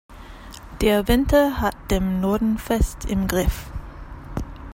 Der Winter hat den Norden fest im Griff.